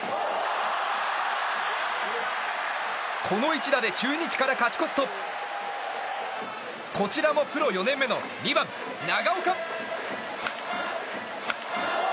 この一打で中日から勝ち越すとこちらもプロ４年目の２番、長岡。